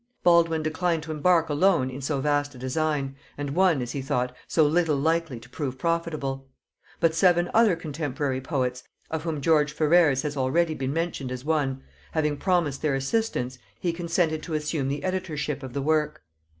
Baldwyne declined to embark alone in so vast a design, and one, as he thought, so little likely to prove profitable; but seven other contemporary poets, of whom George Ferrers has already been mentioned as one, having promised their assistance, he consented to assume the editorship of the work.